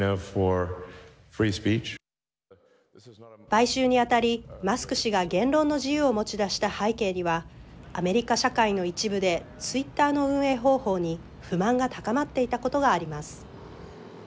買収に当たりマスク氏が言論の自由を持ち出した背景にはアメリカ社会の一部でツイッターの運営方法に不満が高まっていたことがあります。